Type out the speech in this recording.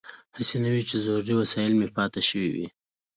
هسې نه وي چې ضروري وسایل مې پاتې شوي وي.